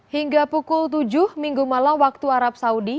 hingga pukul tujuh minggu malam waktu arab saudi